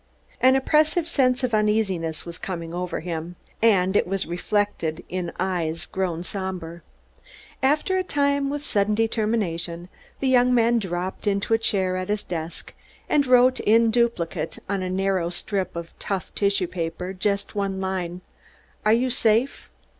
An oppressive sense of uneasiness was coming over him; and it was reflected in eyes grown somber. After a time, with sudden determination, the young man dropped into a chair at his desk, and wrote in duplicate, on a narrow strip of tough tissue paper, just one line: Are you safe?